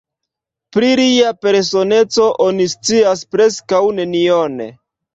Pri lia personeco oni scias preskaŭ nenion.